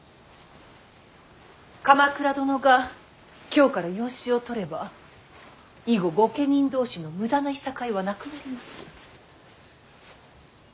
鎌倉殿が京から養子を取れば以後御家人同士の無駄ないさかいはなくなります。